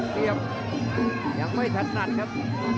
เปรียบยังไม่ถนัดครับ